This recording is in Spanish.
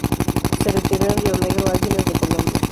Se retiró en Rionegro Águilas de Colombia.